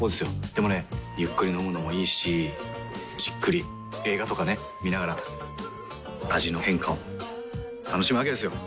でもねゆっくり飲むのもいいしじっくり映画とかね観ながら味の変化を楽しむわけですよ。